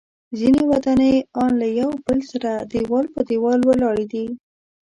ځینې ودانۍ ان له یو بل سره دیوال په دیوال ولاړې دي.